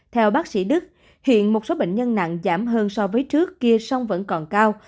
theo bác sĩ đức hiện một số bệnh nhân nặng giảm hơn so với trước kia song vẫn còn cao